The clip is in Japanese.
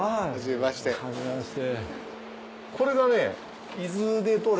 はじめまして。